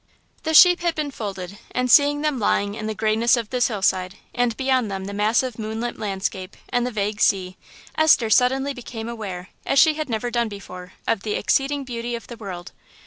The sheep had been folded, and seeing them lying in the greyness of this hill side, and beyond them the massive moonlit landscape and the vague sea, Esther suddenly became aware, as she had never done before, of the exceeding beauty of the world.